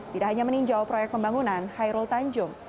tidak hanya meninjau proyek pembangunan hairul tanjung